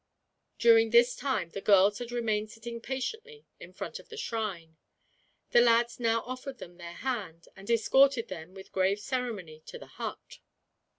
During this time the girls had remained sitting patiently in front of the shrine. The lads now offered them their hand, and escorted them with grave ceremony to the hut.